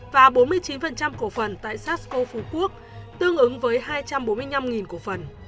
và bốn mươi chín cổ phần tại sasco phú quốc tương ứng với hai trăm bốn mươi năm cổ phần